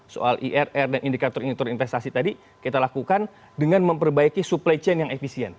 soal irr dan indikator indikator investasi tadi kita lakukan dengan memperbaiki supply chain yang efisien